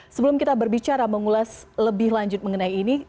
sebelum kita berbicara mengulas lebih lanjut mengenai ini